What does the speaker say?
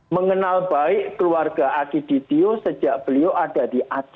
mengenal baik keluarga akiditio sejak beliau ada di aceh